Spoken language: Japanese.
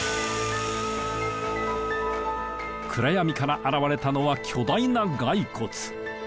暗闇から現れたのは巨大な骸骨。